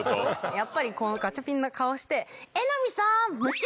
やっぱりこのガチャピンの顔して。